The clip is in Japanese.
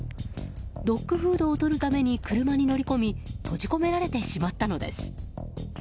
ドッグフードをとるために車に乗り込み閉じ込められてしまったのです。